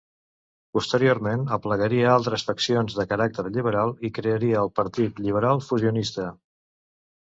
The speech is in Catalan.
Posteriorment aplegaria altres faccions de caràcter liberal i crearia el Partit Liberal Fusionista.